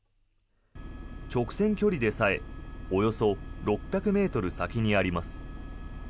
直線距離でさえおよそ６００ｍ先にあります。